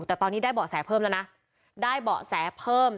แต่ตอนนี้ได้เบาะแสเพิ่มแล้วนะได้เบาะแสเพิ่ม